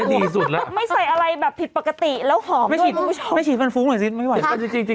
อันนี้ดีสุดแล้วไม่ใส่อะไรแบบผิดปกติแล้วหอมด้วยมันไม่ชอบไม่ฉีดฟันฟุ้งหน่อยซิไม่ได้ไหว